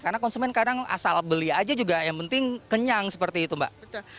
karena konsumen kadang asal beli aja juga yang penting kenyang seperti itu mbak